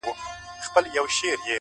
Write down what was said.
• پاچهي به هيچا نه كړل په كلونو,